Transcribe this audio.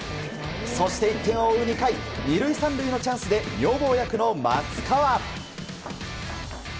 そして、１点を追う２回２塁３塁のチャンスで女房役の松川。